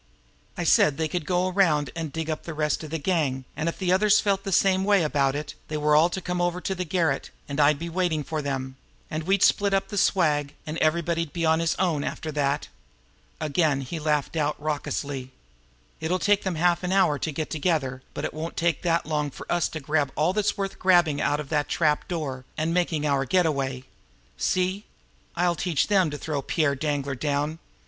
I said they could go around and dig up the rest of the gang, and if the others felt the same way about it, they were all to come over to the garret, and I'd be waiting for them, and we'd split up the swag, and everybody'd be on his own after that." Again he laughed out raucously. "It'll take them half an hour to get together but it won't take that long for us to grab all that's worth grabbing out of that trap door, and making our getaway. See? I'll teach them to throw Pierre Danglar down!